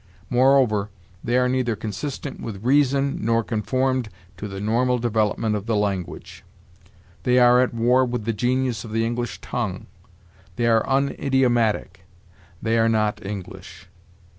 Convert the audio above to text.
Moreover, they are neither 'consistent with reason' nor 'conformed to the normal development of the language'; they are 'at war with the genius of the English tongue'; they are 'unidiomatic'; they are 'not English.'